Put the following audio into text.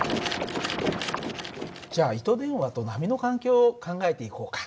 じゃあ糸電話と波の関係を考えていこうか。